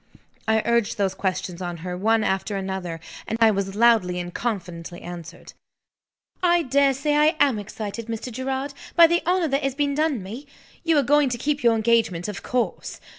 I urged those questions on her, one after another; and I was loudly and confidently answered. "I dare say I am excited, Mr. Gerard, by the honor that has been done me. You are going to keep your engagement, of course?